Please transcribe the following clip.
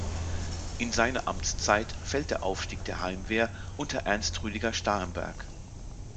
In seine Amtszeit fällt der Aufstieg der Heimwehr unter Ernst Rüdiger Starhemberg.